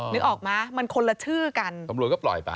นึกออกมั้ยมันคนละชื่อกันตำรวจก็ปล่อยไป